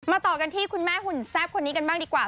ต่อกันที่คุณแม่หุ่นแซ่บคนนี้กันบ้างดีกว่า